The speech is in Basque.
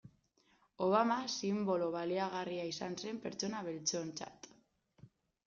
Obama sinbolo baliagarria izan zen pertsona beltzontzat.